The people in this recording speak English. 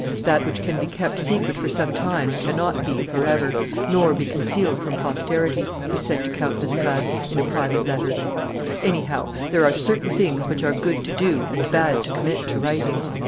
"That which can be kept secret for some time cannot be forever, nor be concealed from posterity," he said to Count d'Estrades, in a private letter: "any how, there are certain things which are good to do and bad to commit to writing."